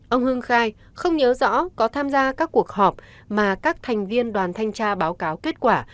ông hưng khai không nhớ rõ có tham gia các cuộc họp mà các thành viên đoàn thanh tra báo cáo kết quả